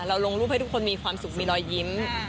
ลงรูปให้ทุกคนมีความสุขมีรอยยิ้ม